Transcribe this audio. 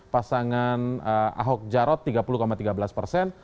pasangan ahok jarot tiga puluh tiga belas persen